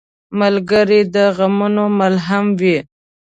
ملګری د غمونو ملهم وي.